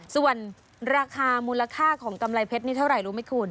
ส่วนราคามูลค่าของกำไรเพชรนี่เท่าไหร่รู้ไหมคุณ